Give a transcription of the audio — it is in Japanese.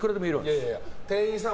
いやいや、店員さん